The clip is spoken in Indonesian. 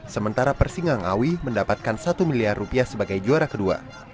sementara persingangawi mendapatkan satu miliar rupiah sebagai juara kedua